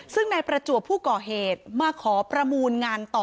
ซึ่งนายประจวบผู้ก่อเหตุมาขอประมูลงานต่อ